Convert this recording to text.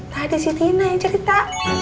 tadi si tina yang cerita